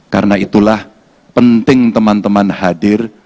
karena itulah penting teman teman hadir